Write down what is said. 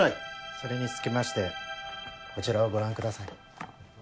それにつきましてこちらをご覧ください。